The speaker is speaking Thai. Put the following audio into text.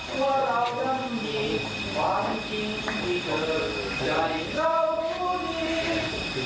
ว่าเรานั้นมีความจริงที่เธอใจเขามี